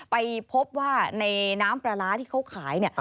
ไปพบว่าในน้ำปลาร้าที่เค้าขาย